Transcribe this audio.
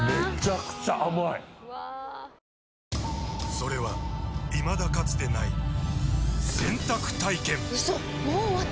それはいまだかつてない洗濯体験‼うそっ！